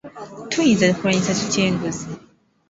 Tuyinza kulwanyisa tutya enguzi?